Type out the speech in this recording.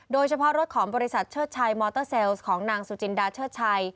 โดยเฉพาะรถของบริษัทเชิดชัยมอเตอร์เซลล์ของนางสุจินดาเชิดชัย